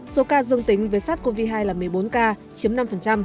số ca dương tính với sát covid hai là một mươi bốn ca chiếm năm